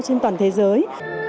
trên toàn thế giới